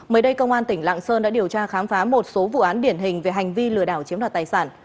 mới đây công an tỉnh lạng sơn đã điều tra khám phá một số vụ án điển hình về hành vi lừa đảo chiếm đoạt tài sản